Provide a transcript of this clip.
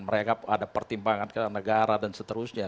mereka ada pertimbangan ke negara dan seterusnya